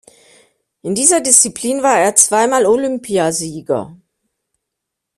In dieser Disziplin war er zweimal Olympiasieger.